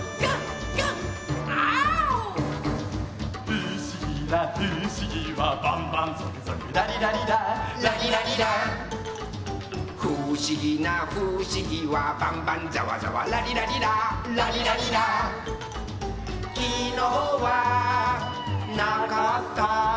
「ふしぎなふしぎはバンバンゾクゾクラリラリラ」「ラリラリラ」「ふしぎなふしぎはバンバンザワザワラリラリラ」「ラリラリラ」「きのうはなかった」